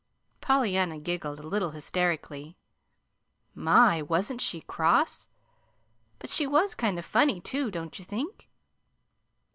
Pollyanna giggled a little hysterically. "My, wasn't she cross? But she was kind of funny, too don't you think?